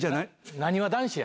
なにわ男子や。